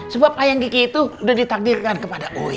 sebab layang kiki itu udah ditakdirkan kepada uya